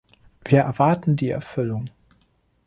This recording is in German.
Wir erwarten die Erfüllung.